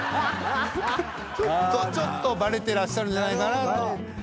ちょっとバレてらっしゃるんじゃないかなと。